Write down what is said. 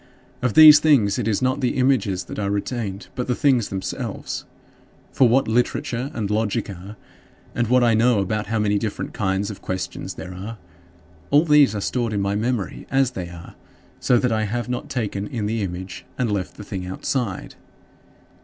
Of these things it is not the images that are retained, but the things themselves. For what literature and logic are, and what I know about how many different kinds of questions there are all these are stored in my memory as they are, so that I have not taken in the image and left the thing outside.